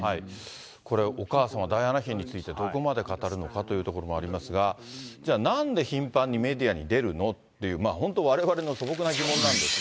これ、お母様、ダイアナ妃についてどこまで語るのかというところもありますが、じゃあなんで頻繁にメディアに出るのっていう、本当、われわれの素朴な疑問なんですが。